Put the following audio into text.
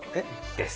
です。